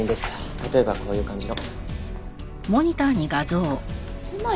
例えばこういう感じの。